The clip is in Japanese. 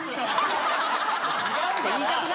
言いたくなるな。